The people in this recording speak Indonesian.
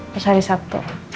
pas hari sabtu